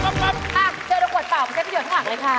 ค่ะเจอตัวขวดเปล่ามันใช้พยพทั้งหลังเลยค่ะ